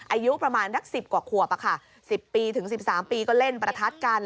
อายุประมาณสัก๑๐กว่าขวบ๑๐ปีถึง๑๓ปีก็เล่นประทัดกัน